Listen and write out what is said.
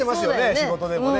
仕事でもね。